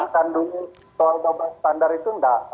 kandungan soal double standard itu enggak